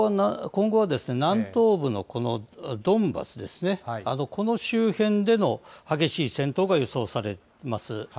今後は南東部のこのドンバスですね、この周辺での激しい戦闘が予想されます。